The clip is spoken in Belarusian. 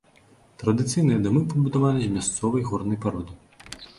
Традыцыйныя дамы пабудаваны з мясцовай горнай пароды.